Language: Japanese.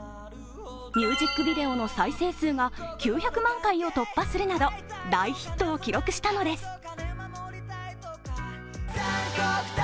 ミュージックビデオの再生数が９００万回を突破するなど大ヒットを記録したのです。